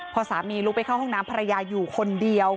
พอสามีลุกไปเข้าห้องน้ำภรรยาอยู่คนเดียว